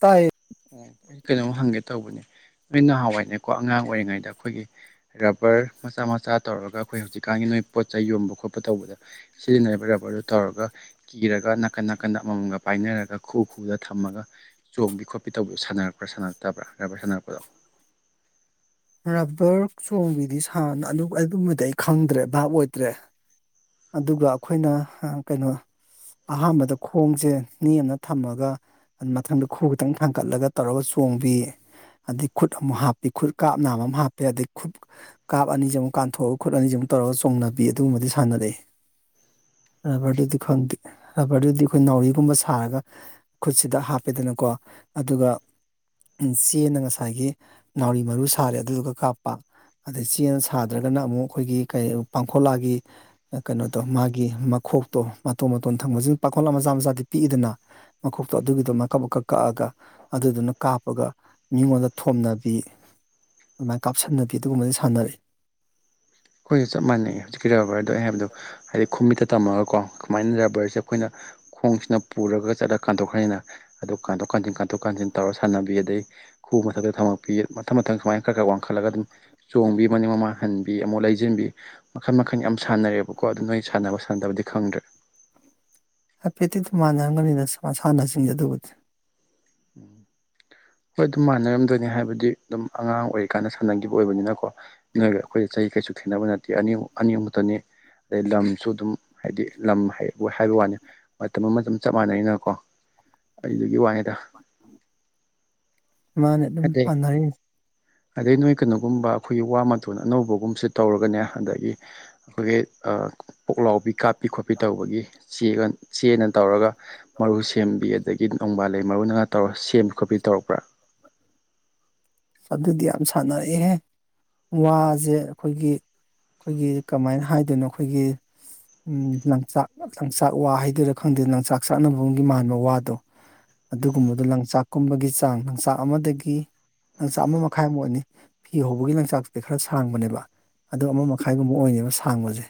ꯇꯥꯏꯌꯦ ꯑꯣ ꯑꯩ ꯀꯩꯅꯣꯝ ꯍꯪꯒꯦ ꯇꯧꯕꯅꯦ ꯅꯣꯏ ꯅꯍꯥꯟꯋꯥꯏꯅꯦꯀꯣ ꯑꯉꯥꯡ ꯑꯣꯏꯔꯤꯉꯩꯗ ꯑꯩꯈꯣꯏꯒꯤ ꯔꯕꯔ ꯃꯆꯥ ꯃꯆꯥ ꯇꯧꯔꯒ ꯑꯩꯈꯣꯏ ꯍꯧꯖꯤꯛꯀꯥꯟꯒꯤ ꯅꯣꯏ ꯄꯣꯠꯆ ꯌꯣꯟꯕ ꯈꯣꯠꯄ ꯇꯧꯕꯗ ꯁꯤꯂꯤꯅꯔ ꯄꯔꯥ ꯄꯔꯣ ꯊꯧꯔꯒ ꯀꯤꯔꯒ ꯅꯥꯀꯟ ꯅꯥꯀꯟꯗ ꯑꯃꯃꯝꯒ ꯄꯥꯏꯅꯔꯒ ꯈꯨ ꯈꯨꯗ ꯊꯝꯃꯒ ꯆꯣꯡꯕꯤ ꯈꯣꯠꯄꯤ ꯄꯤ ꯇꯧꯨ ꯁꯥꯟꯅꯛꯄ꯭ꯔ ꯁꯥꯟꯅꯔꯛꯇꯕ꯭ꯔꯥ ꯈꯕ꯭ꯔ ꯁꯥꯟꯅꯔꯄꯗꯣ ꯔꯕꯔ ꯆꯣꯡꯕꯤꯗꯤ ꯁꯅ ꯑꯗꯨꯝꯕꯗꯤ ꯑꯩ ꯈꯪꯗ꯭ꯔꯦ ꯚꯥꯞ ꯑꯣꯏꯗ꯭ꯔꯦ꯫ ꯑꯗꯨꯒ ꯑꯩꯈꯣꯏꯅ ꯀꯩꯅꯣ ꯑꯍꯥꯟꯕꯗ ꯈꯣꯡꯁꯦ ꯃꯤ ꯑꯃꯅ ꯊꯝꯃꯒ ꯑꯗꯨ ꯃꯊꯪꯗ ꯈꯨꯎ ꯈꯤꯇꯪ ꯊꯥꯡꯀꯠꯂꯒ ꯇꯧꯔꯒ ꯆꯣꯡꯕꯤ ꯑꯗꯩ ꯈꯨꯠ ꯑꯃꯨꯛ ꯍꯥꯞꯄꯤ ꯈꯨꯠ ꯀꯥꯞ ꯕ ꯑꯃ ꯍꯥꯞꯄꯤ ꯑꯗꯩ ꯈꯨꯠ ꯀꯥꯞ ꯑꯅꯤꯁꯤ ꯑꯃꯨꯛ ꯀꯥꯥꯟꯊꯣꯛꯑꯒ ꯈꯨꯠ ꯑꯅꯤꯁꯤ ꯑꯃꯨꯛ ꯇꯧꯔꯒ ꯆꯣꯡꯅꯕꯤ ꯑꯗꯨꯒꯨꯝꯕꯗꯤ ꯁꯥꯟꯅꯔꯛꯏ꯫ ꯔꯕꯔꯗꯨꯗꯤ ꯈꯪꯗꯦ ꯔꯕꯔꯗꯨꯗꯤ ꯑꯩꯈꯣꯏ ꯅꯥꯎꯔꯤꯒꯨꯝꯕ ꯁꯥꯔꯒ ꯈꯨꯠꯁꯤꯗ ꯍꯥꯞꯄꯦꯗꯅꯀꯣ ꯑꯗꯨꯒ ꯆꯦꯅ ꯉꯁꯥꯏꯒꯤ ꯅꯥꯎꯔꯤ ꯃꯔꯨ ꯁꯥꯔꯦ ꯑꯗꯨꯗꯨꯒ ꯀꯥꯞꯄ ꯑꯗꯩ ꯆꯦꯅ ꯁꯥꯗ꯭ꯔꯒꯅ ꯑꯃꯨꯛ ꯑꯩꯈꯣꯏꯒꯤ ꯀꯩ ꯄꯥꯡꯈꯣꯂꯥꯒꯤ ꯀꯩꯅꯣꯗꯣ ꯃꯥꯒꯤ ꯃꯈꯣꯛꯇꯣ ꯃꯇꯣꯟ ꯃꯇꯣꯟ ꯊꯪꯕꯁꯤꯡ ꯄꯥꯈꯠꯂ ꯃꯆꯥ ꯃꯆꯥꯗꯤ ꯄꯤꯛꯏꯗꯅ ꯃꯈꯣꯛꯇꯣ ꯑꯗꯨꯒꯤꯗꯣ ꯃꯀꯞ ꯃꯀꯛ ꯀꯛꯑꯒ ꯑꯗꯨꯗꯨꯅ ꯀꯥꯞꯄꯒ ꯃꯤꯉꯣꯟꯗ ꯊꯣꯝꯅꯕꯤ꯫ ꯑꯗꯨꯃꯥꯏꯅ ꯀꯥꯞꯁꯟꯅꯕꯤ ꯑꯗꯨꯒꯨꯝꯕꯗꯤ ꯁꯥꯟꯅꯔꯛꯏ ꯑꯩꯈꯣꯏꯁꯨ ꯆꯞ ꯃꯥꯟꯅꯩꯌꯦ ꯍꯧꯖꯤꯛꯀꯤ ꯔꯕꯔꯗꯣ ꯑꯩ ꯍꯥꯏꯕꯗꯣ ꯍꯥꯏꯗꯤ ꯈꯨꯨꯝꯃꯤꯠꯇ ꯇꯝꯃꯒꯀꯣ ꯁꯨꯃꯥꯏꯅ ꯔꯕꯔꯁꯦ ꯑꯩꯈꯣꯏꯅ ꯈꯣꯡꯁꯤꯅ ꯄꯨꯔꯒ ꯆꯠꯂ ꯀꯥꯟꯊꯣꯛꯈ꯭ꯔꯅꯤꯅ ꯑꯗꯨ ꯀꯥꯟꯊꯣꯛ ꯀꯥꯟꯁꯤꯟ ꯀꯥꯥꯟꯊꯣꯛ ꯀꯥꯟꯁꯤꯟ ꯇꯧꯔ ꯁꯥꯟꯅꯕꯤ ꯑꯗꯩ ꯈꯨ ꯃꯊꯛꯇ ꯊꯝꯃꯛꯄꯤ ꯃꯊꯪ ꯃꯊꯪ ꯁꯨꯃꯥꯏꯅ ꯈꯔ ꯈꯔ ꯋꯥꯡꯈꯠꯂꯒ ꯑꯗꯨꯝ ꯆꯣꯡꯕꯤ ꯃꯅꯤꯡ ꯃꯃꯥꯡ ꯍꯟꯕꯤ ꯑꯃꯨꯛ ꯂꯩꯖ ꯊꯤꯖꯤꯟꯕꯤ ꯃꯈꯜ ꯃꯈꯟ ꯌꯥꯝ ꯁꯥꯟꯅꯔꯦꯕꯀꯣ ꯑꯗꯨ ꯅꯣꯏ ꯁꯥꯟꯅꯕ ꯁꯥꯟꯗꯕꯗꯤ ꯈꯪꯗ꯭ꯔꯦ ꯍꯥꯏꯐꯦꯠꯇꯤ ꯑꯗꯨꯝ ꯃꯥꯟꯅꯔꯝꯒꯅꯤꯗ ꯃꯁꯥꯟꯅꯁꯤꯡꯁꯦ ꯑꯗꯨꯕꯨꯗꯤ ꯎꯝ [inaudible] ꯍꯣꯏ ꯑꯗꯨꯝ ꯃꯥꯟꯅꯔꯝꯗꯣꯏꯅꯦ ꯍꯥꯏꯕꯗꯤ ꯑꯗꯨꯝ ꯑꯉꯥꯡ ꯑꯣꯏꯔꯤꯀꯥꯟꯗ ꯁꯥꯟꯅꯈꯤꯕ ꯑꯣꯏꯕꯅꯤꯅꯀꯣ ꯅꯣꯏꯒ ꯑꯩꯈꯣꯏꯗ ꯆꯍꯤ ꯀꯩꯁꯨ ꯈꯦꯠꯅꯕ ꯅꯠꯇꯦ ꯑꯅꯤ ꯑꯅꯤꯃꯨꯛꯇꯅꯤ ꯑꯗꯩ ꯂꯝꯁꯨ ꯑꯗꯨꯝ ꯍꯥꯏꯗꯤ ꯂꯝ ꯍꯥꯏꯕ ꯋꯥꯅꯤ ꯃꯇꯝ ꯃꯇꯝ ꯆꯞ ꯃꯥꯟꯅꯩꯅꯀꯣ ꯑꯩꯗꯨꯒꯤ ꯋꯥꯅꯤꯗ ꯏꯥꯟ ꯑꯦꯝ ꯑꯗꯩ ꯄꯥꯟꯙꯔ ꯑꯗꯩ ꯅꯣꯏ ꯀꯩꯅꯣꯒꯨꯝꯕ ꯑꯩꯈꯣꯏꯒꯤ ꯋꯥ ꯃꯇꯣꯟ ꯑꯅꯧꯕꯒꯨꯝꯕꯁꯦ ꯇꯧꯔꯒꯅꯦ ꯑꯗꯒꯤ ꯑꯩꯈꯣꯏꯒꯤ ꯄꯨꯣꯛꯂꯥꯎꯕꯤ ꯀꯥꯞꯄꯤ ꯈꯣꯠꯄꯤ ꯇꯧꯕꯒꯤ ꯆꯒ ꯆꯦꯅ ꯇꯧꯔꯒ ꯃꯔꯨ ꯁꯦꯝꯕꯤ ꯑꯗꯒꯤ ꯅꯣꯡꯕꯥꯜ ꯂꯩ ꯃꯔꯨꯅꯒꯥ ꯇꯧꯔ ꯁꯦꯝꯕ ꯈꯣꯠꯄꯤ ꯇꯧꯔꯛꯄ꯭ꯔꯥ ꯑꯗꯨꯗꯤ ꯌꯥꯝ ꯁꯥꯟꯅꯔꯦꯍꯦ ꯋꯥꯁꯦ ꯑꯩꯈꯣꯏꯒꯤ ꯑꯩꯈꯣꯏꯒꯤ ꯀꯃꯥꯏꯅ ꯍꯥꯏꯗꯣꯏꯅꯣ ꯑꯩꯈꯣꯏꯒꯤ ꯎ ꯂꯆꯥꯛ ꯂꯆꯥꯛ ꯋꯥ ꯍꯥꯏꯗꯨꯣꯏꯔꯥ ꯈꯪꯗꯦ ꯂꯥꯡꯆꯥꯛ ꯆꯥꯅꯕꯒꯤ ꯃꯥꯟꯕ ꯋꯥꯗꯣ ꯑꯗꯨꯒꯨꯝꯕꯗꯨ ꯂꯥꯡꯆꯥꯛ ꯀꯨꯝꯕꯒꯤ ꯆꯥꯡ ꯂꯆꯥꯛ ꯑꯃꯗꯒꯤ ꯅꯪꯆꯥꯛ ꯑꯃ ꯃꯈꯥꯏ ꯑꯃꯨꯛ ꯑꯣꯏꯅꯤ ꯐꯤ ꯍꯧꯕꯒꯤ ꯅꯪꯆꯥꯛꯇꯨꯗꯤ ꯈꯔ ꯁꯥꯡꯕꯅꯦꯕ ꯑ ꯑꯃ ꯃꯈꯥꯏꯒꯨꯝꯕ ꯑꯣꯏꯅꯅꯦꯕ ꯁꯥꯡꯕꯁꯦ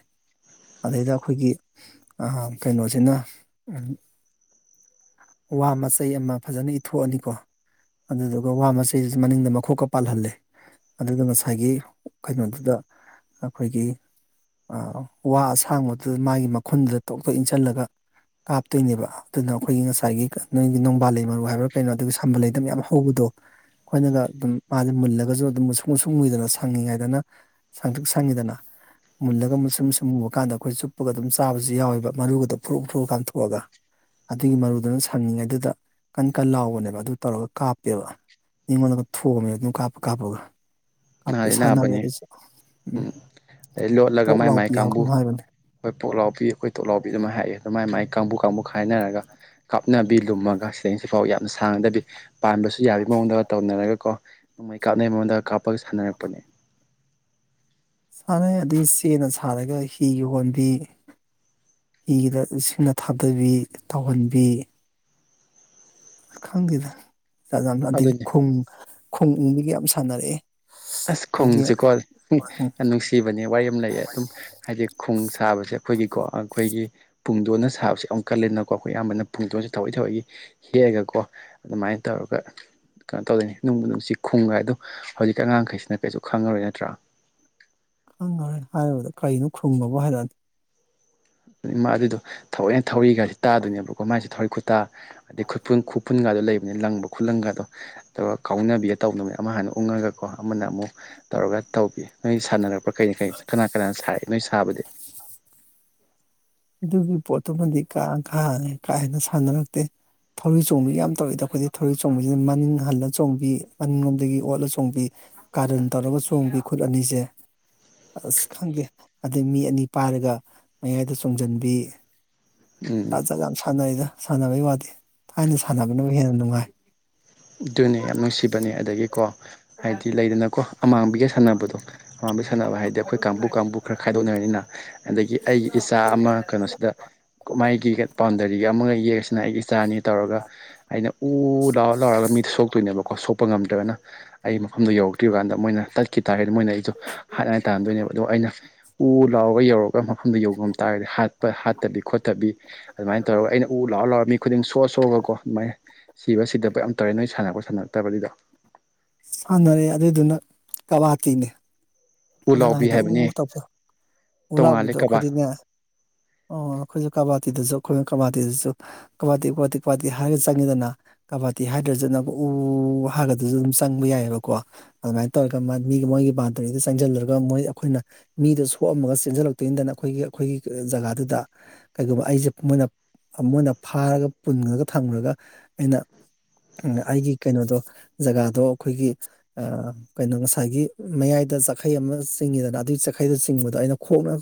ꯑꯗꯩꯗ ꯑꯩꯈꯣꯏꯒꯤ ꯀꯩꯅꯣꯁꯤꯅ ꯋꯥ ꯃꯆꯩ ꯑꯃ ꯐꯖꯅ ꯏꯊꯣꯛꯑꯅꯤꯀꯣ ꯑꯗꯨꯗꯨꯒ ꯋꯥ ꯃꯆꯩ ꯃꯅꯤꯡꯗ ꯃꯈꯣꯛꯀ ꯄꯥꯜꯍꯜꯂꯦ ꯑꯗꯨꯗ ꯉꯁꯥꯏꯒꯤ ꯀꯩꯅꯣꯗꯨꯗ ꯑꯩꯈꯣꯏꯒꯤ ꯋꯥ ꯑꯁꯥꯡꯕꯗꯨꯗ ꯃꯥꯒꯤ ꯃꯈꯨꯟꯗꯨꯗ ꯇꯣꯛ ꯇꯣꯛ ꯏꯟꯁꯤꯜꯂꯒ ꯀꯥꯞꯇꯣꯏꯅꯦꯕ ꯑꯗꯨꯅ ꯑꯩꯈꯣꯏꯒꯤ ꯉꯁꯥꯏꯒꯤ ꯅꯣꯏꯒꯤ ꯅꯣꯡꯕꯥꯜ ꯂꯩ ꯃꯔꯨ ꯍꯥꯏꯕ꯭ꯔꯥ ꯀꯩꯅꯣ ꯑꯗꯨꯒꯒꯤ ꯁꯝꯕꯜ ꯂꯩꯗ ꯃꯌꯥꯝ ꯍꯧꯕꯗꯣ ꯑꯩꯈꯣꯏꯅꯒ ꯑꯗꯨꯝ ꯃꯥꯁ ꯃꯨꯜꯂꯒꯁꯨ ꯑꯗꯨꯝ ꯃꯨꯁꯁꯨ ꯃꯨꯁꯨꯡ ꯃꯨꯏꯗꯅ ꯁꯪꯉꯤꯉꯥꯏꯗꯅ ꯁꯪꯇ ꯁꯪꯉꯤꯗꯅ ꯃꯨꯜꯂꯒ ꯃꯨ ꯁꯨꯝ ꯃ ꯁꯨꯝ ꯃꯨꯕ ꯀꯥꯟꯗ ꯑꯩꯈꯣꯏ ꯆꯨꯞꯄꯒ ꯑꯗꯨꯝ ꯆꯥꯕꯁꯨ ꯌꯥꯎꯋꯦꯕ ꯃꯔꯨꯗꯣ ꯐꯨꯔꯨꯞꯎ ꯐꯨꯔꯛꯑ ꯀꯥꯟꯊꯣꯛꯑꯒ ꯑꯗꯨꯒꯤ ꯃꯔꯨꯗꯨꯅ ꯁꯪꯉꯉꯩꯗꯨꯗ ꯀꯟ ꯀꯟ ꯂꯥꯎꯕꯅꯦꯕ ꯑꯗꯨ ꯇꯧꯔꯒ ꯀꯥꯞꯄꯦꯕ ꯑꯩꯉꯣꯟꯗꯒ ꯊ ꯊꯣꯛꯑꯝꯃꯦ ꯑꯗꯨ ꯀꯥꯞꯄ ꯀꯥꯞꯄꯒ ꯀꯥꯞꯇꯦ ꯅꯥꯗꯤ ꯁꯥꯟꯅꯔꯦ ꯑꯗꯨꯁꯨ ꯎꯝ ꯑꯩ ꯂꯣꯠꯂꯒ ꯄꯣꯛ ꯃꯥꯏ ꯃꯥꯏ ꯂꯥꯎꯕꯤ ꯍꯥꯏꯕ ꯀꯥꯡꯕꯨ ꯀꯩꯅꯣꯝ ꯍꯥꯏꯕꯅꯦ ꯑꯩꯈꯣꯏ ꯄꯣꯛꯂꯥꯎꯕꯤ ꯑꯩꯈꯣꯏ ꯇꯣꯛꯂꯥꯎꯕꯤ ꯑꯗꯨꯃꯥꯏ ꯍꯥꯏꯑꯦ ꯑꯗꯨꯃꯥꯏ ꯃꯥꯏ ꯀꯥꯡꯕꯨ ꯀꯥꯡꯕꯨ ꯈꯥꯏꯅꯔꯒ ꯀꯥꯞꯅꯕꯤ ꯂꯨꯝꯃꯒ ꯁꯤꯗꯩꯁꯤꯐꯥꯎ ꯌꯥꯝꯅ ꯁꯥꯡꯅꯗꯕꯤ ꯄꯥꯟꯕꯁꯨ ꯌꯥꯕꯒꯤ ꯃꯑꯣꯡꯗꯒ ꯇꯧꯅꯔꯒꯀꯣ ꯅꯣꯡꯃꯩ ꯀꯥꯞꯅꯩ ꯃꯉꯣꯟꯗ ꯀꯥꯞꯄꯒ ꯁꯥꯟꯅꯔꯛꯄꯅꯦ ꯁꯥꯟꯅꯩ ꯑꯗꯨꯗꯒꯤ ꯆꯦꯅ ꯁꯥꯔꯒ ꯍꯤ ꯌ ꯍꯣꯟꯕꯤ ꯍꯤꯒꯤꯗ ꯁꯤꯡꯅ ꯊꯥꯗꯕꯤ ꯇꯧꯍꯟꯕꯤ ꯈꯪꯗꯦꯗ ꯑꯗꯒꯤ ꯑꯗꯨꯅꯤ ꯈ ꯈꯨꯡꯪꯕꯤꯒ ꯌꯥꯝ ꯁꯥꯟꯅꯔꯛꯑꯦ ꯑꯁ ꯑꯩꯈꯣꯏꯒꯤ ꯈꯣꯡꯁꯤꯦꯀꯣ ꯌꯥꯝ ꯅꯨꯡꯁꯤꯕꯅꯦ ꯋꯥꯔꯤ ꯑꯃ ꯂꯩꯌꯦ ꯑꯗꯨꯝ ꯍꯥꯏꯗꯤ ꯈꯣꯡ ꯁꯥꯕꯁꯦ ꯑꯩꯈꯣꯏꯒꯤ ꯑꯩꯈꯣꯏꯒꯤ ꯄꯨꯡꯗꯣꯟꯅ ꯁꯥꯕꯕꯁꯤꯦ ꯑꯃꯨꯛ ꯀꯂꯦꯅꯀꯣ ꯑꯩꯈꯣꯏ ꯑꯌꯥꯝꯕꯅ ꯄꯨꯡꯗꯣꯟꯁꯦ ꯊꯋꯥꯑꯣꯏ ꯊꯋꯥꯏꯒꯤ ꯍꯦꯛꯑꯒꯀꯣ ꯑꯗꯨꯃꯥꯏꯅ ꯇꯧꯔꯒ ꯀꯩꯅꯣ ꯇꯧꯗꯣꯏꯅꯤ ꯅꯨꯡꯕꯨ ꯅꯨꯡꯁꯤ ꯈꯨꯝꯒ ꯑꯗꯨꯣ ꯍꯧꯖꯤꯛ ꯑꯉꯥꯡꯈꯩꯁꯤꯅ ꯀꯩꯁꯨ ꯈꯪꯉꯔꯣꯏ ꯅꯠꯇ꯭ꯔꯥ ꯈꯪꯈꯔꯦ ꯍꯥꯏꯔꯕꯗ ꯀꯔꯤꯅꯣ ꯈꯔꯨꯝꯃꯕ ꯍꯥꯏꯔꯛꯗꯤ ꯑꯗꯨꯗꯣ ꯊꯑꯣꯏꯅ ꯊꯧꯔꯤꯒꯁꯤ ꯇꯥꯗꯣꯏꯅꯦꯕꯀꯣ ꯃꯥꯁꯦ ꯊꯧꯔꯤ ꯈꯨꯇꯥ ꯑꯗꯩ ꯈꯨꯐꯨꯟꯒꯗꯣ ꯂꯩꯕꯅꯤ ꯂꯪꯕ ꯈꯨꯠꯂꯪꯒꯗꯣ ꯑꯗꯨꯒ ꯀꯥꯎꯅꯕꯤꯒ ꯇꯧꯅꯕꯃꯤ ꯑꯃ ꯍꯅ ꯎꯡꯉꯒꯀꯣ ꯑꯃꯅ ꯑꯃꯨꯛ ꯇꯧꯔꯒ ꯇꯧꯕꯤ ꯅꯣꯏ ꯁꯥꯟꯅꯔꯛꯄꯥ ꯀꯩꯅ ꯀꯩ ꯀꯅꯥ ꯀꯅꯥꯅ ꯁꯥꯏ ꯅꯣꯏ ꯁꯥꯕꯗꯤ ꯑꯗꯨꯒꯤ ꯄꯣꯠꯇꯨꯃꯗꯤ ꯀꯥꯈꯥ ꯀꯥ ꯍꯦꯟꯅ ꯁꯥꯟꯅꯔꯛꯇꯦ ꯊꯧꯔꯤ ꯆꯣꯡꯕꯤ ꯌꯥꯝ ꯇꯧꯋꯤꯗ ꯑꯩꯈꯣꯏꯗꯤ ꯊꯧꯔꯤ ꯆꯣꯡꯕꯁꯤꯅ ꯃꯅꯤꯡ ꯍꯜꯂ ꯆꯣꯡꯕꯤ ꯃꯅꯤꯡꯂꯣꯝꯗꯒꯤ ꯑꯣꯠꯂ ꯆꯣꯡꯕꯤ ꯀꯥꯔꯟ ꯇꯧꯔꯒ ꯆꯣꯡꯕꯤ ꯈꯨꯠ ꯑꯅꯤꯁꯦ ꯑꯁ ꯈꯪꯗꯦ ꯑꯗꯩ ꯃꯤ ꯑꯅꯤ ꯄꯥꯏꯔꯒ ꯃꯌꯥꯏꯗ ꯇꯨꯡꯁꯤꯟꯕꯤ ꯎꯝ ꯖꯥꯠ ꯖꯥ ꯌꯥꯝ ꯁꯥꯟꯅꯩꯔꯤꯗ ꯁꯥꯟꯅꯕꯩ ꯋꯥꯗꯦ ꯊꯥꯏꯅ ꯁꯥꯟꯅꯕꯅꯕꯕꯨ ꯍꯦꯟꯅ ꯅꯨꯡꯉꯥꯏ ꯑꯗꯨꯅꯦ ꯌꯥꯝ ꯅꯨꯡꯁꯤꯕꯅꯦ ꯑꯗꯒꯤꯀꯣ ꯍꯥꯏꯗꯤ ꯂꯩꯗꯅꯀꯣ ꯑꯃꯥꯡꯕꯤꯒ ꯁꯥꯟꯅꯕꯗꯣ ꯃꯥꯡꯕꯤ ꯁꯥꯟꯅꯕ ꯍꯥꯏ ꯑ ꯑꯩꯈꯣꯏ ꯀꯥꯡꯕꯨ ꯀꯥꯡꯕꯨ ꯈꯔ ꯈꯥꯏꯗꯣꯛꯅꯔꯅꯤꯅ ꯑꯗꯒꯤ ꯑꯩꯒꯤ ꯏꯆꯥ ꯑꯃ ꯀꯩꯅꯣꯁꯤꯗ ꯃꯥꯏꯒꯤ ꯍ‌ꯦꯛ ꯕꯥꯎꯟꯗꯔꯤꯒ ꯑꯃꯒ ꯌꯦꯛꯁꯤꯅ ꯑꯩꯒꯤ ꯏꯆꯥꯅꯤ ꯇꯧꯔꯒ ꯑꯩꯅ ꯎ ꯂꯥꯎꯔ ꯂꯥꯎꯔꯒ ꯃꯤꯗꯤ ꯁꯣꯛꯇꯣꯏꯅꯦꯕꯀꯣ ꯁꯣꯛꯄ ꯉꯝꯗ꯭ꯔꯕꯅ ꯑꯩ ꯃꯐꯝꯗꯣ ꯌꯧꯔꯛꯇ꯭ꯔꯤꯕ ꯀꯥꯟꯗ ꯃꯣꯏꯅ ꯇꯠꯈꯤ ꯇꯥꯔꯦ ꯃꯣꯏꯅ ꯑꯩꯗ‌ꯣ ꯍꯥꯏꯠ ꯍꯥꯏꯅꯥ ꯇꯥꯅꯗꯣꯏꯅꯦꯕ ꯑꯗꯣ ꯑꯩꯅ ꯎ ꯂꯥꯎꯔꯒ ꯌꯧꯔꯒ ꯃꯐꯝꯗ ꯌꯧꯉꯝ ꯇꯥꯔꯒꯗꯤ ꯍꯥꯠꯄ ꯍꯥꯠꯇꯕꯤ ꯈꯣꯠꯇꯕꯤ ꯑꯗꯨꯃꯥꯏꯅ ꯇꯧꯔꯒ ꯑꯩꯅ ꯎ ꯂꯥꯎꯔ ꯂꯥꯎꯔ ꯃꯤ ꯈꯨꯗꯤꯡ ꯁꯣꯛꯑ ꯁꯣꯛꯑꯒꯀꯣ ꯑꯗꯨꯃꯥꯏꯅ ꯁꯤꯕ ꯁꯤꯗꯕ ꯌꯥꯝ ꯇꯧꯔꯦ ꯅꯣꯏ ꯁꯥꯟꯅꯕꯔ ꯁꯥꯟꯅꯔꯛ ꯇꯕꯔ ꯑꯗꯨꯗ‌ꯣ ꯁꯥꯟꯅꯔꯦ ꯑꯗꯨꯏꯗꯨꯅ ꯀꯕꯥꯇꯅꯦ ꯎ ꯅꯪ ꯂꯥꯎꯕꯤ ꯍꯥꯏꯗꯣ ꯍꯥꯏꯕꯅꯦ ꯎꯨ ꯇꯧꯗ‌ꯣ ꯎ ꯇꯣꯡꯉꯥꯜꯂꯦ ꯂꯥꯎꯕꯤꯗꯣ ꯀꯕꯥ ꯑꯩꯈꯣꯏꯗꯤꯅꯦ ꯑꯣ ꯑꯩꯈꯣꯏꯁꯨ ꯀꯕꯥꯇꯗꯁꯨ ꯑꯩꯈꯣꯏ ꯀꯕꯥꯇꯗꯤꯗꯁꯨ ꯀꯋꯥꯇꯤ ꯀꯇꯤ ꯀꯋꯥꯇꯤ ꯍꯥꯏꯔ ꯆꯪꯉꯗꯅ ꯀꯕꯥꯇꯤ ꯍꯥꯏꯗ꯭ꯔꯁꯨꯅ ꯎ ꯍꯥꯏꯒꯗꯁꯨ ꯑꯗꯨꯝ ꯆꯪꯕ ꯌꯥꯏꯑꯕꯀꯣ ꯑꯗꯨꯃꯥꯏꯅ ꯇꯧꯔꯒ ꯃꯤꯒꯤ ꯃꯣꯏꯒꯤ ꯄꯥꯟꯗꯔꯤꯗꯨ ꯆꯪꯖꯜꯂꯨꯔꯒ ꯃꯣꯏ ꯑꯩꯈꯣꯏꯅ ꯃꯤꯗꯣ ꯁꯣꯛꯑꯝꯃꯒ ꯆꯦꯟꯁꯤꯜꯂꯛꯇꯣꯏꯅꯤꯗꯅ ꯑꯩꯈꯣꯏꯒꯤ ꯑꯩꯈꯣꯏꯒꯤ ꯖꯒꯥꯗꯨꯗ ꯀꯩꯒꯨꯝꯕ ꯑꯩꯁꯦ ꯃꯣꯏꯅ ꯃꯣꯏꯅ ꯐꯥꯔꯒ ꯄꯨꯟꯒꯔꯒ ꯊꯝꯒꯔꯒ ꯑꯩꯅ ꯎ ꯑꯩꯒꯤ ꯀꯩꯅꯣꯗꯣ ꯖꯒꯥꯗꯣ ꯑꯩꯈꯣꯏꯒꯤ ꯑ ꯀꯩꯅꯣ ꯉꯁꯥꯏꯒꯤ ꯃꯌꯥꯏꯗ ꯆꯈꯩ ꯑꯃ ꯆꯤꯡꯉꯤꯗꯅ ꯑꯗꯨꯒꯤ ꯆꯈꯩꯗ ꯆꯤꯡꯕꯗꯣ ꯑꯩꯅ ꯈꯣꯡꯅ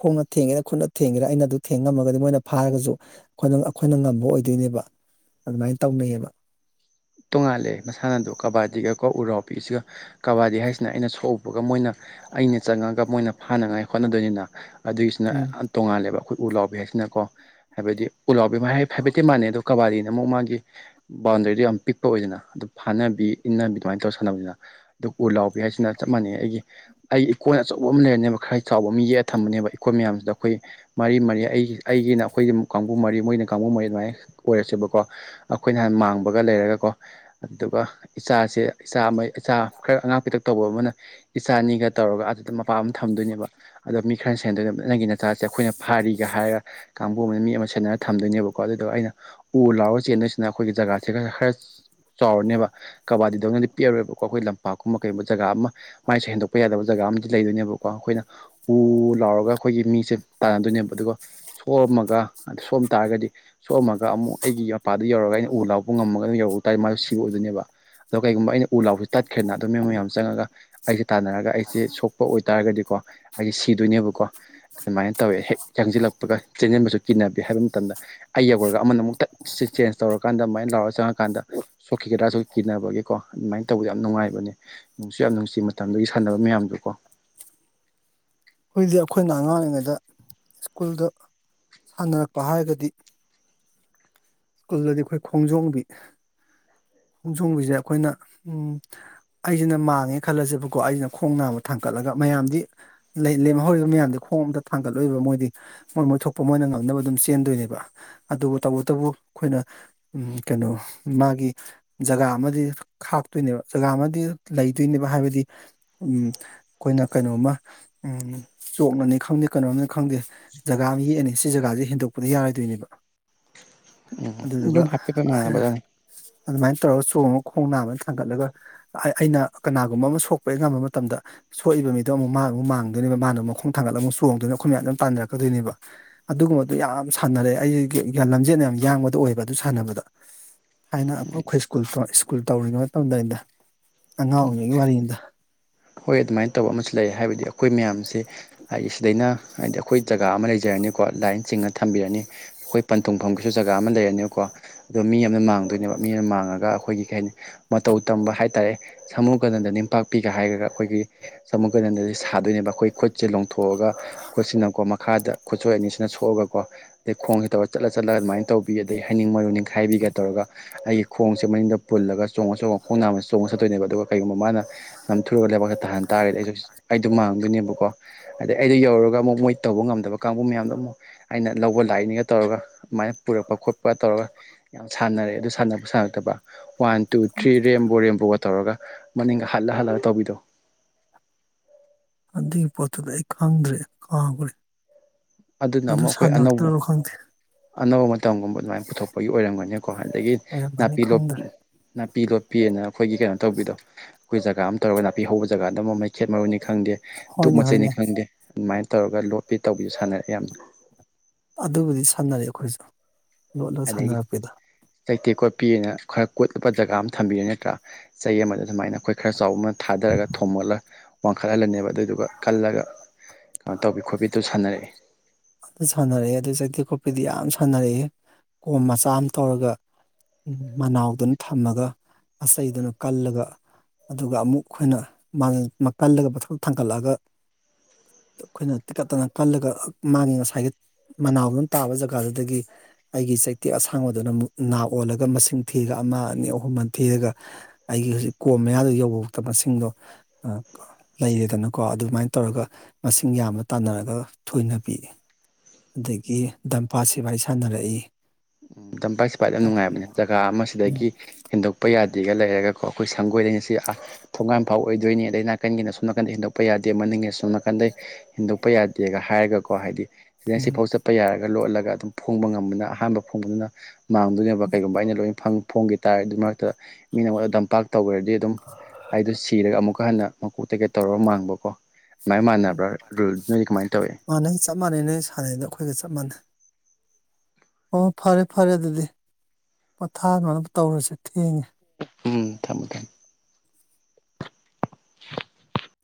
ꯈꯣꯡꯅ ꯊꯦꯡꯒꯦꯔꯥ ꯈꯨꯠꯅ ꯊꯦꯡꯒꯦꯔꯥ ꯑꯩꯅ ꯑꯗꯨ ꯊꯦꯡꯉꯝꯃꯒꯗꯤ ꯃꯣꯏꯅ ꯐꯥꯔꯒꯖꯨ ꯑꯩꯈꯣꯏꯅ ꯑꯩꯈꯣꯏꯅ ꯉꯝꯕ ꯑꯣꯏꯗꯣꯏꯅꯦꯕ ꯑꯗꯨꯃꯥꯏꯅ ꯇꯧꯅꯩꯌꯦꯕ ꯇꯣꯡꯉꯥꯜꯂꯦ ꯃꯁꯥꯟꯅꯗꯣ ꯀꯕꯥꯗꯤꯒꯀꯣ ꯎꯔꯥꯎꯕꯤꯁꯤꯒ ꯀꯕꯥꯗꯤ ꯍꯥꯏꯁꯤꯅ ꯑꯩꯅ ꯁꯣꯛꯎꯕꯒ ꯃꯣꯏꯅ ꯑꯩꯅ ꯆꯪꯉꯒ ꯃꯣꯏꯅ ꯐꯥꯅꯉꯥꯏ ꯍꯣꯠꯅꯗꯣꯏꯅꯤꯅ ꯑꯗꯨꯒꯤꯁꯤꯅ ꯎꯝ ꯌꯥꯝ ꯇꯣꯉꯥꯜꯂꯦꯕ ꯑꯩꯈꯣꯏ ꯎ ꯂꯥꯎꯕꯤ ꯍꯥꯏꯁꯤꯅꯀꯣ ꯍꯥꯏꯕꯗꯤ ꯎꯂꯥꯎꯕꯤ ꯍꯥꯏꯦꯠꯇ ꯃꯥꯟꯅꯩ ꯑꯗ‌ꯣ ꯀꯕꯥꯗꯤꯅ ꯑꯃꯨꯛ ꯃꯥꯒꯤ ꯕꯥꯎꯟꯗꯔꯤꯗꯨꯣ ꯌꯥꯝ ꯄꯤꯛ ꯑꯣꯏꯗꯅ ꯑꯗꯨ ꯐꯥꯅꯕꯤ ꯏꯟꯅꯕꯤ ꯑꯗꯨꯃꯥꯏꯅ ꯇꯧꯔ ꯁꯥꯟꯅꯕꯁꯤꯅ ꯑꯗꯨ ꯎ ꯂꯥꯎꯕꯤ ꯍꯥꯏꯁꯤꯅ ꯆꯞ ꯃꯥꯟꯅꯩ ꯑꯩꯒꯤ ꯑꯩꯒꯤ ꯏꯀꯣꯟ ꯑꯆꯧꯕ ꯑꯃ ꯂꯩꯔꯅꯦꯕ ꯈꯔ ꯆꯥꯎꯕ ꯑꯃ ꯌꯦꯛ ꯑ ꯊꯝꯕꯅꯦꯕ ꯑꯩꯈꯣꯏ ꯃꯌꯥꯝꯁꯤꯗ ꯑꯩꯈꯣꯏ ꯃꯔꯤ ꯃꯔꯤ ꯑꯩꯒꯤ ꯑꯩꯒꯤꯅ ꯑꯩꯈꯣꯏꯒꯤ ꯀꯥꯡꯕꯨ ꯃꯔꯤ ꯃꯣꯏꯅ ꯀꯥꯡꯕꯨ ꯃꯔꯤ ꯑꯗꯨꯃꯥꯏꯅ ꯑꯣꯏꯔꯁꯦꯕꯀꯣ ꯑꯩꯈꯣꯏ ꯅꯍꯥꯟ ꯃꯥꯡꯕꯒ ꯂꯩꯔꯒ ꯀꯣ ꯑꯗꯨꯒ ꯏꯆꯥꯁꯦ ꯏꯆꯥ ꯑꯃ ꯏꯆꯥ ꯈꯔ ꯑꯉꯥꯡ ꯄꯤꯛꯇꯛ ꯇꯧꯕ ꯑꯃꯅ ꯏꯆꯥꯅꯤꯒ ꯇꯧꯔꯒ ꯑꯗꯨꯗ ꯃꯄꯥ ꯑꯃ ꯊꯝꯗꯣꯏꯅꯦꯕ ꯑꯗꯣ ꯃꯤ ꯈꯔ ꯁꯦꯟꯗꯒ ꯅꯪꯒꯤ ꯅꯆꯥꯁꯦ ꯑꯩꯈꯣꯏꯅ ꯐꯥꯔꯤꯒ ꯍꯥꯏꯔꯒ ꯀꯥꯡꯕꯨ ꯑꯃꯅ ꯃꯤ ꯑꯃ ꯁꯦꯟꯅꯔ ꯊꯝꯗꯣꯏꯅꯦꯕꯀꯣ ꯑꯗꯨꯗ‍ꯣ ꯑꯩꯅ ꯎ ꯂꯥꯎꯔ ꯆꯦꯟꯗꯣꯏꯁꯤꯅ ꯑꯩꯈꯣꯏꯒꯤ ꯖꯒꯥꯁꯤꯒ ꯈꯔꯁ ꯈꯔ ꯆꯥꯎꯔꯅꯦꯕ ꯀꯕꯥꯗꯤꯗꯧꯅꯗꯤ ꯄꯤꯔꯣꯏꯕꯀꯣ ꯑꯩꯈꯣꯏ ꯂꯝꯄꯥꯛꯀꯨꯝꯕ ꯀꯩꯒꯨꯝꯕ ꯖꯒꯥ ꯑꯃ ꯃꯥꯏꯁꯦ ꯍꯦꯟꯗꯣꯛꯄ ꯌꯥꯗꯕ ꯖꯒꯥ ꯑꯃꯗꯤ ꯂꯩꯗꯣꯏꯅꯦꯕꯀꯣ ꯑꯩꯈꯣꯏꯅ ꯎ ꯂꯥꯎꯔꯒ ꯑꯩꯈꯣꯏꯒꯤ ꯃꯤꯁꯦ ꯇꯥꯟꯅꯗꯣꯏꯅꯦꯕ ꯑꯗꯨꯒ ꯁꯣꯛꯑꯝꯃꯒ ꯑꯗꯨ ꯁꯣꯑꯝ ꯇꯥꯔꯒꯗꯤ ꯁꯣꯛꯑꯝꯃꯒ ꯑꯃꯨꯛ ꯑꯩꯒꯤ ꯃꯄꯥꯗ ꯌꯧꯔꯒ ꯑꯩꯅ ꯎ ꯂꯥꯎꯄ ꯉꯝꯃꯒꯅ ꯌꯧꯔꯎ ꯇꯥꯔꯗꯤ ꯃꯥꯁꯨ ꯁꯤꯕ ꯑꯣꯏꯗꯣꯏꯅꯦꯕ ꯑꯗꯣ ꯀꯩꯒꯨꯝꯕ ꯑꯩꯅ ꯎ ꯂꯥꯎꯁꯨ ꯇꯠꯈ꯭ꯔꯦꯅ ꯑꯗꯨ ꯃꯤ ꯃꯌꯥꯝ ꯆꯪꯉꯒ ꯑꯩꯁꯦ ꯇꯥꯟꯅꯔꯒ ꯑꯩꯁꯦ ꯁꯣꯛꯄ ꯑꯣꯏꯇꯥꯔꯒꯗꯤꯀꯣ ꯑꯩꯁꯦ ꯁꯤꯗꯣꯏꯅꯦꯕꯀꯣ ꯑꯗꯨꯃꯥꯏꯅ ꯇꯧꯋꯦ ꯍꯦꯛ ꯆ‌‌ꯦꯡꯖꯤꯜꯂꯛꯄꯒ ꯆꯦꯟꯖꯤꯟꯕꯁꯨ ꯀꯤꯟꯅꯕꯤ ꯍꯥꯏꯕ ꯃꯇꯝꯗ ꯑꯩ ꯌꯧꯔꯒ ꯑꯃꯅ ꯑꯃꯨꯛꯇꯠ ꯁꯤ ꯆꯦꯟꯖ ꯇꯧꯔꯀꯥꯟꯗ ꯑꯗꯨꯃꯥꯏꯅ ꯂꯥꯎꯔꯒ ꯆꯪꯉꯀꯥꯟꯗ ꯁꯣꯛꯈꯤꯒꯗ꯭ꯔꯥꯁꯨ ꯀꯤꯕꯒꯤꯀꯣ ꯑꯗꯨꯃꯥꯏꯅ ꯇꯧꯏ ꯌꯥꯝꯅ ꯅꯨꯡꯉꯥꯏꯕꯅꯦ ꯅꯨꯡꯁꯨ ꯌꯥꯝ ꯅꯨꯡꯁꯤ ꯃꯇꯝꯗꯨꯒꯤ ꯁꯥꯟꯅꯕ ꯃꯌꯥꯝꯗꯨ ꯀꯣ ꯍꯧꯖꯤꯛꯇꯛ ꯑꯩꯈꯣꯏꯅ ꯑꯉꯥꯡꯔꯤꯉꯩꯗ ꯁ꯭ꯀꯨꯜꯗ ꯁꯥꯟꯅꯔꯛꯄ ꯍꯥꯏꯔꯒꯗꯤ ꯁ꯭ꯀꯨꯜꯗꯗꯤ ꯑꯩꯈꯣꯏ ꯈꯣꯡꯖꯣꯝꯕꯤ ꯈꯣꯡ ꯁꯣꯡꯝꯒꯤꯁꯦ ꯑꯩꯈꯣꯏꯅ ꯎ ꯑꯩꯁꯤꯅ ꯃꯥꯡꯉꯦ ꯈꯜꯂꯁꯦꯕꯀꯣ ꯑꯩꯁꯤꯅ ꯈꯣꯡ ꯅꯥꯕ ꯊꯥꯡꯀꯠꯂꯒ ꯃꯌꯥꯝꯗꯤ ꯂꯦꯝꯍꯧꯔꯤꯕ ꯃꯌꯥꯝꯗꯤ ꯈꯣꯡ ꯑꯝꯇ ꯊꯥꯡꯒꯠꯂꯣꯏꯏꯕ ꯃꯣꯏꯗꯤ ꯃꯣꯏ ꯃꯣꯏ ꯊꯣꯛꯄ ꯃꯣꯏꯅ ꯉꯝꯅꯕ ꯑꯗꯨꯝ ꯆꯦꯟꯗꯣꯏꯅꯦꯕ ꯑꯗꯨꯕꯨ ꯇꯧꯕꯇꯕꯨ ꯑꯩꯈꯣꯏꯅ ꯀꯩꯅꯣ ꯃꯥꯒꯤ ꯖꯒꯥ ꯑꯃꯗꯤ ꯈꯥꯛꯇꯣꯏꯅꯦꯕ ꯖꯒꯥ ꯑꯃꯗꯤ ꯂꯩꯗꯣꯏꯅꯦꯕ ꯍꯥꯏꯕꯗꯤ ꯎꯝ ꯑꯩꯈꯣꯏꯅ ꯀꯩꯅꯣꯝꯃ ꯎ ꯆꯣꯛꯅꯅꯤ ꯈꯪꯗꯦ ꯀꯩꯅꯣꯝꯅꯤ ꯈꯪꯗꯦ ꯖꯒꯥ ꯑꯃ ꯌꯦꯛꯑꯅꯤ ꯁꯤ ꯖꯒꯥꯁꯦ ꯍꯦꯟꯗꯣꯛꯄꯗꯤ ꯌꯥꯔꯣꯏꯗꯣꯏꯅꯦꯕ ꯑꯗꯨꯗꯨꯒ ꯑꯗꯨꯝ ꯍꯥꯏꯐꯦꯠ ꯍꯥꯏꯐꯦꯠ ꯃꯥꯟꯅꯕꯗ ꯑꯗꯨꯃꯥꯏꯅ ꯇꯧꯔꯒ ꯆꯣꯡꯉꯒ ꯈꯣꯡ ꯅꯥꯝꯃ ꯊꯥꯡꯒꯠꯂꯒ ꯑꯩꯅ ꯀꯅꯥꯒꯨꯝꯕ ꯑꯃ ꯁꯣꯛꯄꯒꯤ ꯉꯝꯕ ꯃꯇꯝꯗ ꯁꯣꯛꯏꯕ ꯃꯤꯗꯣ ꯑꯃꯨꯛ ꯃꯥ ꯑꯃꯨꯛ ꯃꯥꯡꯗꯣꯏꯅꯦꯕ ꯃꯥꯅ ꯃꯈꯣꯡ ꯊꯥꯡꯒꯠ ꯑꯃꯨꯛ ꯆꯣꯡꯗꯣꯏꯅ ꯑꯩꯈꯣꯏ ꯃꯌꯥꯝ ꯑꯗꯨꯝ ꯄꯥꯟꯅꯔꯛꯀꯗꯣꯏꯅꯦꯕ ꯑꯗꯨꯒꯨꯝꯕꯗꯨ ꯌꯥꯝ ꯁꯥꯟꯅꯔꯦ ꯑꯩꯁ ꯂꯝꯖꯦꯟ ꯌꯥꯝ ꯌꯥꯡꯕꯗ ꯑꯣꯏꯕ ꯑꯗꯨ ꯁꯥꯟꯅꯕꯗ ꯍꯥꯏꯅ ꯑꯩꯈꯣꯏ ꯑꯩꯈꯣꯏ ꯁꯀꯨꯜ ꯁ꯭ꯀꯨꯜ ꯇꯧꯔꯤꯉꯩ ꯃꯇꯝꯗ ꯑꯗ ꯑꯉꯥꯡ ꯑꯣꯏꯔꯤꯉꯩ ꯋꯥꯔꯤꯗ ꯍꯣꯏ ꯑꯗꯨꯃꯥꯏꯅ ꯇꯧꯕ ꯑꯃꯁꯨ ꯂꯩ ꯍꯥꯏꯕꯗꯤ ꯑꯩꯈꯣꯏ ꯃꯌꯥꯝꯁꯦ ꯍꯥꯏꯗꯤ ꯁꯤꯗꯩꯅ ꯍꯥꯏꯗꯤ ꯑꯩꯈꯣꯏ ꯖꯒꯥ ꯑꯃ ꯂꯩꯖ ꯄꯖꯔꯅꯤꯀꯣ ꯂꯥꯏꯟ ꯆꯤꯡꯅ ꯊꯝꯕꯤꯔꯅꯤ ꯑꯩꯈꯣꯏ ꯄꯟꯊꯨꯡꯐꯝꯒꯤꯁꯨ ꯖꯒꯥ ꯑꯃ ꯂꯩꯔꯅꯤꯀꯣ ꯑꯗꯣ ꯃꯤ ꯌꯥꯝꯅ ꯃꯥꯡꯗꯣꯏꯅꯦꯕ ꯃꯤ ꯑꯃꯅ ꯃꯥꯡꯉꯒ ꯑꯩꯈꯣꯏꯒꯤ ꯀꯩ ꯍꯥꯏꯅꯤ ꯃꯇꯧ ꯇꯝꯕ ꯍꯥꯏꯇꯥꯔꯦ ꯁꯃꯨꯒꯅꯟꯗ ꯅꯝꯄꯥꯛꯄꯤ ꯍꯥꯏꯔꯒ ꯑꯩꯈꯣꯏꯒꯤ ꯆꯃꯨ ꯀꯗꯟꯗꯗꯤ ꯁꯥꯗꯣꯏꯅꯦꯕ ꯑꯩꯈꯣꯏ ꯈꯨꯠ ꯁꯦ ꯂ ꯂꯧꯊꯣꯛꯑꯒ ꯑꯩꯈꯣꯠꯁꯤꯅꯀꯣ ꯃꯈꯥꯗ ꯈꯨꯠꯁꯣꯏ ꯑꯅꯤꯁꯤꯅ ꯁꯣꯛꯑꯒꯀꯣ ꯑꯗꯩ ꯈꯣꯡꯁꯤ ꯇꯧꯔ ꯆꯠꯂ ꯆꯠꯂ ꯑꯗꯨꯃꯥꯏꯅ ꯇꯧꯕꯤ ꯑꯗꯩ ꯍꯥꯏꯩꯅꯤꯡ ꯃꯔꯨ ꯅꯤꯡ ꯈꯥꯏꯕꯤꯒ ꯇꯧꯔꯒ ꯑꯩꯒꯤ ꯈꯣꯡꯁꯦ ꯃꯅꯤꯡꯗ ꯄꯨꯜꯂꯒ ꯆꯣꯡꯉ ꯆꯣꯡꯉ ꯈꯣꯡ ꯅꯥꯝꯗ ꯆꯣꯡꯉ ꯆꯠꯇꯣꯏꯅꯦꯕ ꯑꯗꯨꯒ ꯀꯩꯒꯨꯝꯕ ꯃꯥꯅ ꯅꯝꯊꯨꯔꯒ ꯂꯩꯕꯥꯛꯇ ꯊꯥꯍꯟ ꯇꯥꯔꯒꯗꯤ ꯑꯩꯁꯨ ꯑꯩꯗꯣ ꯃꯥꯡꯗꯣꯏꯅꯦꯕꯀꯣ ꯑꯗꯩ ꯑꯩꯗꯣ ꯌꯧꯔꯒ ꯑꯃꯨꯛ ꯃꯣꯏ ꯇꯧꯕ ꯉꯝꯗꯕ ꯀꯥꯡꯕꯨ ꯃꯌꯥꯝꯗꯣ ꯑꯃꯨꯛ ꯑꯩꯅ ꯂꯧꯕ ꯂꯥꯛꯅꯤꯒ ꯇꯧꯔꯒ ꯑꯗꯨꯃꯥꯏꯅ ꯄꯨꯔꯛꯄ ꯈꯣꯠꯄ ꯇꯧꯔꯒ ꯌꯥꯝ ꯁꯥꯟꯅꯔꯦ ꯑꯗꯨ ꯁꯥꯟꯅꯕ ꯁꯥꯟꯉꯛꯇꯕ ꯋꯥꯟ ꯇꯨ ꯊ꯭ꯔꯤ ꯔꯦꯝꯕꯣ ꯔꯦꯝꯕꯣꯒ ꯇꯧꯔꯒ ꯃꯅꯤꯡꯒ ꯍꯜꯂ ꯍꯜꯂꯒ ꯇꯧꯕꯤꯗꯣ ꯑꯗꯨꯒꯤ ꯄꯣꯠꯇꯨꯗ ꯑꯩ ꯈꯪꯗ꯭ꯔꯦ ꯈꯥꯎꯈ꯭ꯔꯦ ꯑꯗꯨꯅ ꯑꯃꯨꯛ ꯑꯩꯈꯣꯏ ꯑꯅꯧꯕ ꯈꯪꯗꯦ ꯑꯅꯧꯕ ꯃꯇꯝꯒꯨꯝꯕ ꯑꯗꯨꯃꯥꯏꯅ ꯄꯨꯊꯣꯛꯄꯒꯤ ꯑꯣꯏꯔꯝꯒꯅꯤꯀꯣ ꯑꯗꯒꯤ ꯑꯣꯏꯔꯝꯃꯅꯤ ꯅꯥꯄꯤ ꯂꯣ ꯈꯪꯗ꯭ꯔꯦ ꯅꯥꯄꯤ ꯂꯣꯠꯄꯤꯑꯅ ꯑꯩꯈꯣꯏꯒꯤ ꯀꯩꯅꯣ ꯇꯧꯕꯤꯗꯣ ꯑꯩꯈꯣꯏ ꯖꯒꯥ ꯑꯃ ꯇꯧꯔꯒ ꯅꯥꯄꯤ ꯍꯧꯕ ꯖꯒꯥꯗ ꯃꯩꯈꯦꯠ ꯃꯔꯣꯟꯅꯤ ꯈꯪꯗꯦ ꯗꯨꯛ ꯍꯣꯏꯅꯦ ꯃꯆꯩꯅꯤ ꯍꯣꯏꯅꯦ ꯈꯪꯗꯦ ꯑꯗꯨꯃꯥꯏꯅ ꯇꯧꯔꯒ ꯂꯣꯠꯄꯤ ꯇꯧꯕꯤꯨꯥꯟꯅꯔꯦ ꯌꯥꯝꯅ ꯑꯗꯨꯕꯨꯗꯤ ꯁꯥꯟꯅꯔꯦ ꯑꯩꯈꯣꯏꯁꯨ ꯂꯣꯠꯂꯣꯠ ꯑꯗꯒꯤ ꯁꯥꯟꯅꯔꯛꯄꯗ ꯆꯩꯇꯦꯛ ꯀꯣꯠꯄꯤꯑꯅ ꯈꯔ ꯀꯣꯠꯂꯕ ꯖꯒꯥ ꯑꯃ ꯊꯝꯕꯤꯌ ꯅꯠꯇ꯭ꯔꯥ ꯆꯩ ꯑꯃꯗ ꯁꯨꯃꯥꯏꯅ ꯑꯩꯈꯣꯏ ꯈꯔ ꯆꯥꯎꯕ ꯊꯥꯗꯔꯒ ꯊꯣꯝꯃꯜꯂ ꯋꯥꯡꯈꯠꯍꯜꯂꯅꯦꯕ ꯑꯗꯨꯏꯗꯨꯒ ꯀꯜꯂꯒ ꯀꯩꯅꯣ ꯇꯧꯕꯤ ꯈꯣꯠꯄꯤꯗꯨꯣ ꯁꯥꯟꯅꯔꯛꯏ ꯑꯗꯨ ꯁꯥꯟꯅꯔꯛꯑꯦ ꯑꯗꯨ ꯆꯇꯤꯀꯣꯄꯤꯗꯤ ꯌꯥꯝ ꯁꯥꯟꯅꯔꯛꯑꯦ ꯀꯣꯝ ꯃꯆꯥ ꯑꯃ ꯇꯧꯔꯒ ꯎ ꯃꯅꯥꯎꯗꯨꯅ ꯊꯝꯃꯒ ꯑꯆꯩꯗꯨꯅ ꯀꯜꯂꯒ ꯑꯗꯨꯒ ꯑꯃꯨꯛ ꯑꯩꯈꯣꯏꯅ ꯀꯜꯂꯒ ꯃꯊꯣꯛ ꯊꯥꯡꯒꯠꯂꯛꯑꯒ ꯑꯩꯈꯣꯏꯅ ꯇꯤꯀꯠꯇꯅ ꯀꯜꯂꯒ ꯃꯥꯒꯤ ꯉꯁꯥꯏꯒꯤ ꯃꯅꯥꯎꯗꯨꯝ ꯇꯥꯕ ꯖꯒꯥꯗꯨꯗꯒꯤ ꯑꯩꯒꯤ ꯆꯩꯇꯦꯛ ꯑꯁꯥꯡꯕꯗꯨꯅꯨꯛ ꯅꯥ ꯑꯣꯜꯂꯒ ꯃꯁꯤꯡ ꯊꯤꯔꯒ ꯑꯃ ꯑꯅꯤ ꯑꯍꯨꯝꯃꯟ ꯊꯤꯔꯒ ꯑꯩꯒꯤ ꯍꯧꯖꯤꯛ ꯀꯣꯝ ꯃꯌꯥꯗ ꯌꯧꯕꯗ ꯃꯁꯤꯡꯗꯣ ꯂꯩꯔꯦꯗꯅꯀꯣ ꯑꯗꯨꯃꯥꯏꯅ ꯇꯧꯔꯒ ꯃꯁꯤꯡ ꯌꯥꯝꯅ ꯇꯥꯟꯅꯔꯒ ꯊꯣꯏꯅ ꯄꯤ ꯑꯗꯒꯤ ꯗꯝꯄꯥꯠ ꯁꯤꯐꯏ ꯁꯥꯟꯅꯔꯛꯏ ꯎ ꯇꯝꯄꯥꯛꯥꯏꯁꯤꯄꯥꯏꯗ ꯌꯥꯝ ꯎꯝ ꯅꯨꯡꯉꯥꯏꯕꯅꯤꯅ ꯖꯒꯥ ꯑꯃꯁꯤꯗꯒꯤ ꯍꯦꯟꯗꯣꯛꯄ ꯌꯥꯗꯦꯒ ꯂꯩꯔꯒ ꯀꯣ ꯑꯩꯈꯣꯏ ꯁꯪꯒꯣꯏꯗꯩꯅ ꯁꯤ ꯊꯣꯡꯒꯥꯥꯟ ꯐꯥꯎ ꯑꯣꯏꯗꯣꯏꯅꯤ ꯑꯗꯩ ꯅꯥꯀꯟꯒꯤꯅ ꯁꯣ ꯅꯥꯀꯟꯗ ꯍꯦꯟꯗꯣꯛꯄ ꯆꯠꯄ ꯌꯥꯗꯦ ꯃꯅꯤꯡꯉꯦ ꯁꯣꯝ ꯅꯥꯀꯟꯗ ꯍꯦꯟꯗꯣꯛꯄ ꯌꯥꯗꯦꯒ ꯍꯥꯏꯔꯒꯀꯣ ꯍꯥꯏꯗꯤ ꯁꯤꯗꯦꯟꯁꯤꯐꯥꯎ ꯆꯠꯄ ꯍꯥꯞꯄ ꯌꯥꯔꯒ ꯂꯣꯜꯂꯒ ꯑꯗꯨꯝ ꯐꯣꯡꯕ ꯉꯝꯕꯅ ꯑꯍꯥꯟꯕ ꯐꯣꯡꯕꯗꯨꯅ ꯃꯥꯡꯗꯣꯏꯅꯦꯕ ꯀꯩꯒꯨꯝꯕ ꯑꯩꯅ ꯂꯣꯏ ꯐꯣꯡꯈꯤ ꯇꯥꯔꯦ ꯑꯗꯨ ꯃꯔꯛꯇ ꯃꯤꯅꯉꯣꯟꯗ ꯇꯝꯄꯥꯛ ꯇꯧꯈꯔꯗꯤ ꯑꯗꯨꯝ ꯑꯩꯗꯣ ꯁꯤꯔꯒ ꯑꯃꯨꯛꯀ ꯍꯟꯅ ꯃꯀꯣꯛ ꯇꯩꯀꯩꯠ ꯇꯧꯔꯒ ꯃꯥꯡꯕꯀꯣ ꯁꯃꯥꯏ ꯃꯥꯟꯅꯕꯥ ꯔꯨꯜ ꯅꯣꯏꯗꯤ ꯀꯃꯥꯏꯅ ꯇꯧꯏꯤ ꯃꯥꯟꯅꯩ ꯆꯞ ꯃꯥꯟꯅꯩ ꯅꯣꯏ ꯁꯥꯟꯅꯩꯗꯣ ꯑꯩꯈꯣꯏꯒ ꯆꯞ ꯃꯥꯟꯅꯩ ꯑꯣ ꯐꯔꯦ ꯐꯔꯦ ꯑꯗꯨꯗꯤ ꯄꯣꯊꯥꯗꯅꯕ ꯇꯧꯔꯁꯦ ꯊꯦꯡꯉꯦ ꯎꯝ ꯊꯝꯃꯃꯦ ꯊꯝꯃꯃꯦ [unintelligible]